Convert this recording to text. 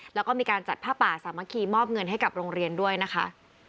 แล้วก็มีการจัดผ้าป่าสามัคคีมอบเงินให้กับโรงเรียนด้วยนะคะ